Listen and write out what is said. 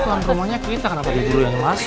tuan rumahnya kita kenapa diturunkan masuk